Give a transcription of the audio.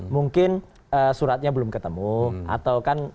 mungkin suratnya belum ketemu atau kan